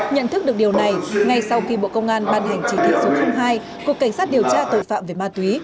nhận thức được điều này ngay sau khi bộ công an ban hành chỉ thị số hai cục cảnh sát điều tra tội phạm về ma túy